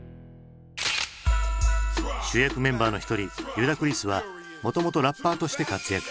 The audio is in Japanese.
主役メンバーの一人リュダクリスはもともとラッパーとして活躍。